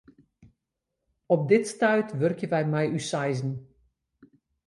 Op dit stuit wurkje wy mei ús seizen.